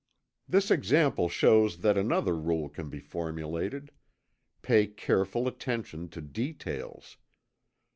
This example shows that another rule can be formulated: Pay careful attention to details.